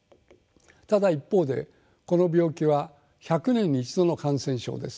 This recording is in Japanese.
ただ一方でこの病気は１００年に一度の感染症です。